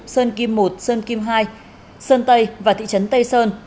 sơn kim một sơn kim hai sơn tây và thị trấn tây sơn